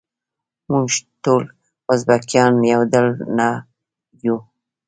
موږ ټول ازبیکان یو ډول نه یوو.